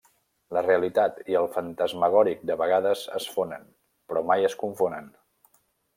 La realitat i el fantasmagòric de vegades es fonen, però mai es confonen.